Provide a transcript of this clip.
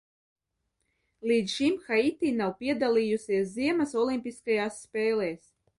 Līdz šim Haiti nav piedalījusies ziemas olimpiskajās spēlēs.